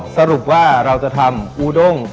สรุปว่าเราจะทำอูด้ง